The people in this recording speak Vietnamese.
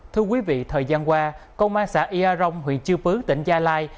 thưa quý vị thời gian qua công an xã ia rong huyện chư pứ tỉnh gia lai